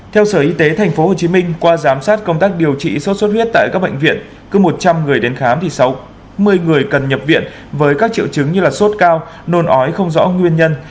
theo sở y tế tp hcm qua giám sát công tác điều trị sốt xuất huyết tại các bệnh viện cứ một trăm linh người đến khám thì sáu mươi người cần nhập viện với các triệu chứng như sốt cao nôn ói không rõ nguyên nhân